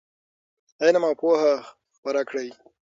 علم او پوهه خپره کړئ.